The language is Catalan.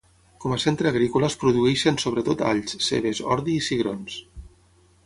Com a centre agrícola es produeixen sobretot alls, cebes, ordi i cigrons.